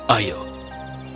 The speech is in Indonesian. oh itu dia